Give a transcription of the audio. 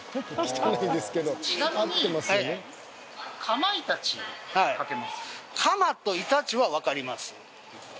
「かま」と「いたち」は分かります。